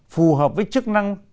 phù hợp với chức năng